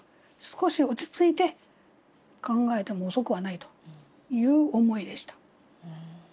少し落ち着いて考えても遅くはないという思いでした。